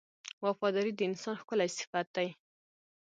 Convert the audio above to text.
• وفاداري د انسان ښکلی صفت دی.